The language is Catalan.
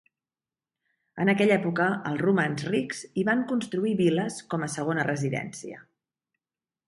En aquella època els romans rics hi van construir vil·les com a segona residència.